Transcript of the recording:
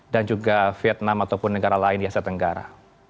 dan juga vietnam ataupun negara lain di asia tenggara